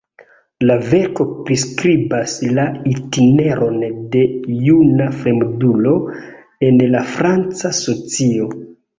La verko priskribas la itineron de juna fremdulo en la franca socio.